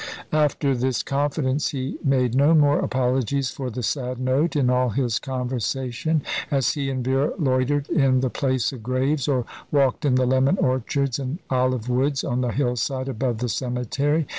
After this confidence he made no more apologies for the sad note in all his conversation, as he and Vera loitered in the place of graves, or walked in the lemon orchards and olive woods on the hill side above the cemetery.